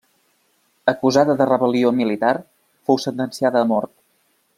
Acusada de Rebel·lió militar, fou sentenciada a mort.